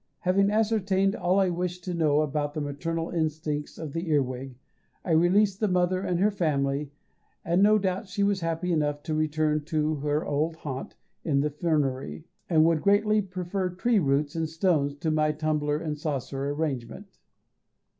Having ascertained all I wished to know about the maternal instincts of the earwig, I released the mother and her family, and no doubt she was happy enough to return to her old haunt in the fernery, and would greatly prefer tree roots and stones to my tumbler and saucer arrangement.